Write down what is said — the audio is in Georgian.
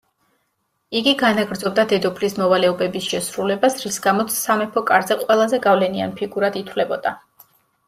იგი განაგრძობდა დედოფლის მოვალეობების შესრულებას, რის გამოც სამეფო კარზე ყველაზე გავლენიან ფიგურად ითვლებოდა.